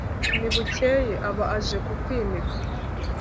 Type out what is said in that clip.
ntibukeye aba aje kukwimika